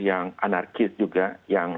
yang anarkis juga yang